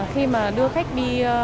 khi mà đưa khách đi